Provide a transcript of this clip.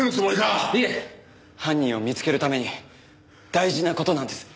いえ犯人を見つけるために大事な事なんです。